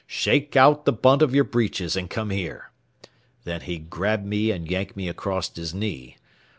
'Shake out the bunt of yer breeches and come here.' Then he'd grab me and yank me acrost his knee.